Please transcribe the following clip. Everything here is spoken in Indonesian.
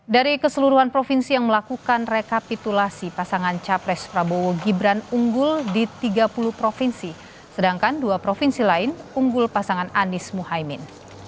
dari keseluruhan provinsi yang melakukan rekapitulasi pasangan capres prabowo gibran unggul di tiga puluh provinsi sedangkan dua provinsi lain unggul pasangan anies muhaymin